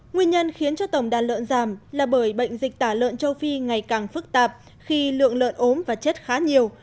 nguyên nhân khiến cho tổng đàn lợn giảm là bởi bệnh dịch tả lợn châu phi ngày càng phức tạp khi lượng lợn ốm và chết khá nhiều